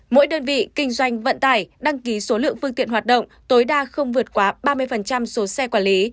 mỗi đơn vị kinh doanh vận tải đăng ký số lượng phương tiện hoạt động tối đa không vượt quá ba mươi số xe quản lý